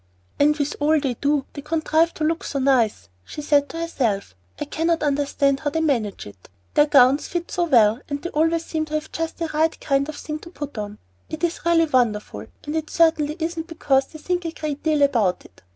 "And with all they do, they contrive to look so nice," she said to herself. "I can't understand how they manage it. Their gowns fit so well, and they always seem to have just the right kind of thing to put on. It is really wonderful, and it certainly isn't because they think a great deal about it.